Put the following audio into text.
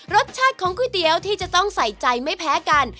รสชาติของก๋วยเตี๋ยวที่จะต้องใส่ใจไม่แพ้กัน